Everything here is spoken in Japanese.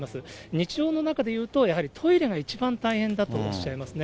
日常の中でいうと、トイレが一番大変だとおっしゃいますね。